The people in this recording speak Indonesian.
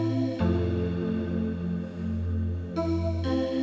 maka selalu ber diagnosi